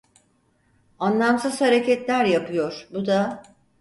Anlamsız hareketler yapıyor bu da...